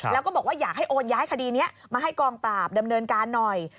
แล้วก็บอกว่าอยากให้โอนย้ายคดีนี้มาให้กองปราบดำเนินการหน่อย